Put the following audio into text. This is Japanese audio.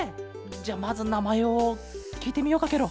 じゃあまずなまえをきいてみようかケロ。